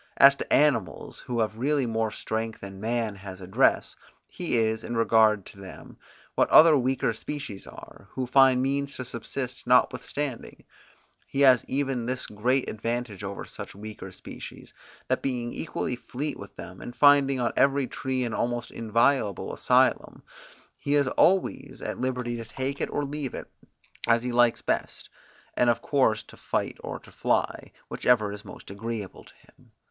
As to animals who have really more strength than man has address, he is, in regard to them, what other weaker species are, who find means to subsist notwithstanding; he has even this great advantage over such weaker species, that being equally fleet with them, and finding on every tree an almost inviolable asylum, he is always at liberty to take it or leave it, as he likes best, and of course to fight or to fly, whichever is most agreeable to him.